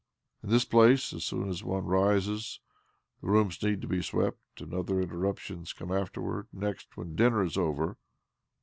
In this place, as soon as one rises, the rooms need to be swept, and other interruptions' occur afterwards. Next, when dinner is over